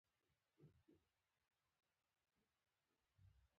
د جمهور رئیس پر قانوني موقف باید خپل دریځونه متحد کړي.